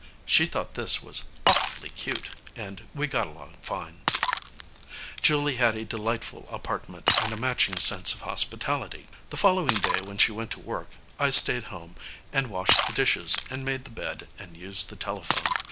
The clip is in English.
She thought this was "awfully cute" and we got along fine. Julie had a delightful apartment and a matching sense of hospitality. The following day, when she went to work, I stayed home and washed the dishes and made the bed and used the telephone.